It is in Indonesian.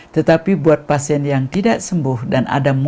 tetapi buat pasien yang tidak sembuh dan ada yang tidak sembuh